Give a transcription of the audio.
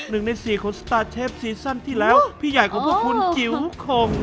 หนึ่งในสี่ของสตาร์เชฟซีซั่นที่แล้วพี่ใหญ่ของพวกคุณจิ๋วคม